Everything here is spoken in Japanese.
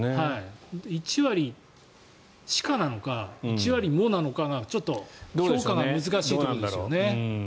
１割しかなのか１割もなのかがちょっと評価が難しいところなんですよね。